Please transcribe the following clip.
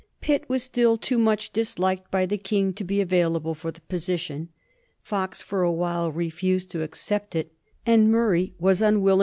Pitt was still too much dis liked by the King to be available for the position. Fox for a while refused to accept it, and Murray was unwilling 1757. ADMIRAL BYNG.